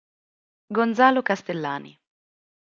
Gonzalo Castellani